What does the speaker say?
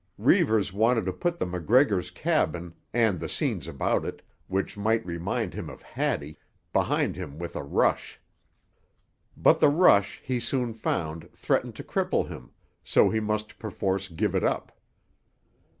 Reivers wanted to put the MacGregor cabin, and the scenes about it, which might remind him of Hattie, behind him with a rush. But the rush, he soon found, threatened to cripple him, so he must perforce give it up.